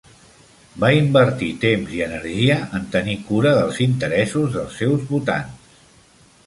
Va invertir temps i energia en tenir cura dels interessos dels seus votants.